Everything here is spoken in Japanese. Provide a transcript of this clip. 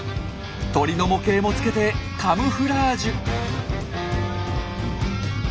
鳥の模型もつけてカムフラージュ。